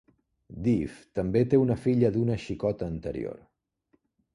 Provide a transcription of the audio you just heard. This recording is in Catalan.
Dif també té una filla d"una xicota anterior.